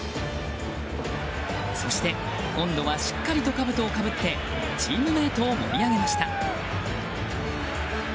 そして、今度はしっかりとかぶとをかぶってチームメートを盛り上げました。